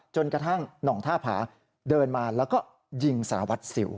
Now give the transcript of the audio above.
จนกระทั่งหน่องท่าผาเดินมาแล้วก็ยิงสารวัตรสิว